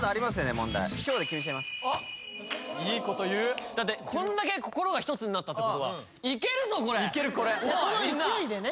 問題いいこと言うだってこんだけ心が一つになったってことはいけるぞこれいけるこれこの勢いでね